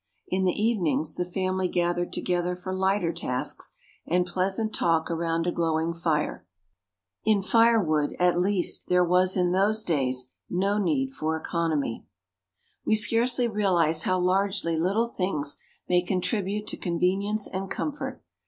In the evenings, the family gathered together for lighter tasks and pleasant talk around a glowing fire. In firewood, at least, there was, in those days, no need for economy. We scarcely realize how largely little things may contribute to convenience and comfort.